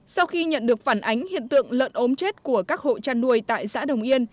sau khi nhận được phản ánh hiện tượng lợn ốm chết của các hộ chăn nuôi tại xã đồng yên